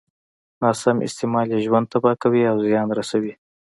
ناسم استعمال يې ژوند تباه کوي او زيان رسوي.